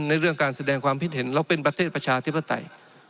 เรื่องการแสดงความคิดเห็นเราเป็นประเทศประชาธิปไตย